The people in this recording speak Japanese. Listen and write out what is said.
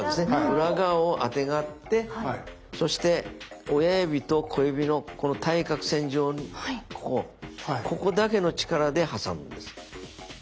裏側をあてがってそして親指と小指のこの対角線上ここだけの力で挟むんです。